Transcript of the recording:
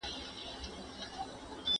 ¬ يو وار ئې زده که بيا ئې در کوزده که.